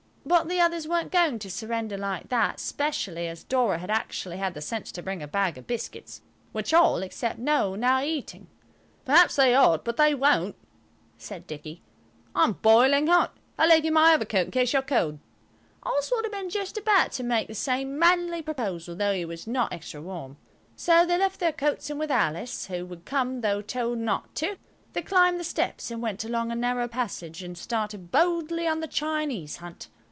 But the others weren't going to surrender like that, especially as Dora had actually had the sense to bring a bag of biscuits, which all, except Noël, were now eating. "Perhaps they ought, but they won't," said Dicky. "I'm boiling hot. I'll leave you my overcoat in case you're cold." Oswald had been just about to make the same manly proposal, though he was not extra warm. So they left their coats, and, with Alice, who would come though told not to they climbed the steps, and went along a narrow passage and started boldly on the Chinese hunt.